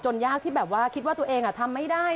ยากที่แบบว่าคิดว่าตัวเองทำไม่ได้